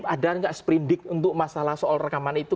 ada nggak sprindik untuk masalah soal rekaman itu